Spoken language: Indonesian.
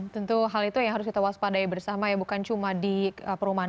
tentu hal itu yang harus kita waspadai bersama ya bukan cuma di perumahan